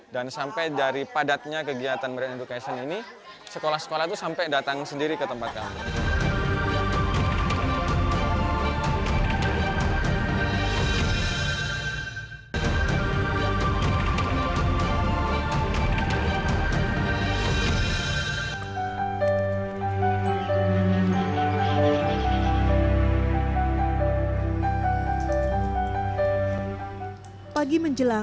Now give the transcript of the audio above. dan sampai dari padatnya kegiatan brain education ini sekolah sekolah itu sampai datang sendiri ke tempat kami